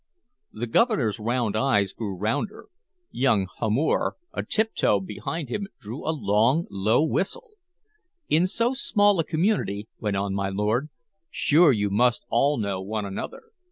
The Governor's round eyes grew rounder. Young Hamor, a tiptoe behind him, drew a long, low whistle. "In so small a community," went on my lord, "sure you must all know one another.